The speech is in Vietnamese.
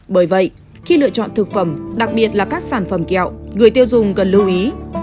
bởi vậy khi lựa chọn thực phẩm đặc biệt là các sản phẩm kẹo người tiêu dùng cần lưu ý